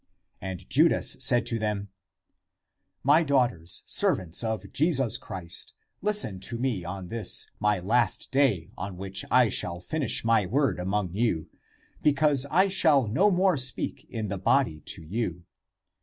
And Judas said to them, " My daughters, servants of Jesus Christ, listen to me on this my last day on which I shall finish my word among you, because I shall no more speak in the body (to you).